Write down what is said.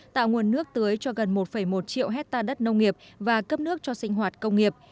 tạo nguồn nước tưới cho gần một một triệu hectare đất nông nghiệp và cấp nước cho sinh hoạt công nghiệp